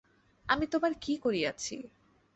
আমি তোমার কী করিয়াছি।